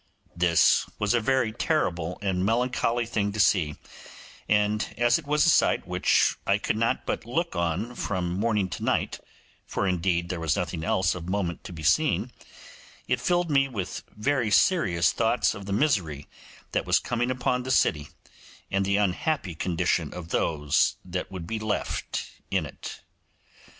This was a very terrible and melancholy thing to see, and as it was a sight which I could not but look on from morning to night (for indeed there was nothing else of moment to be seen), it filled me with very serious thoughts of the misery that was coming upon the city, and the unhappy condition of those that would be left in it.